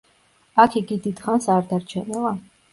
აქ იგი დიდხანს არ დარჩენილა.